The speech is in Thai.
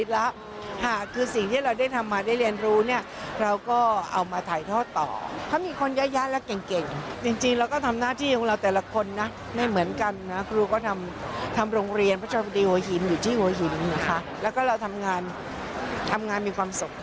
แล้วก็เราทำงานทำงานมีความสุข